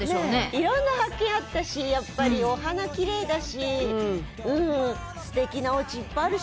いろんな発見あったし、やっぱりお花きれいだし、すてきなおうちいっぱいあるし。